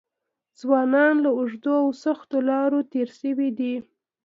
ځوانان له اوږدو او سختو لارو تېر شوي دي.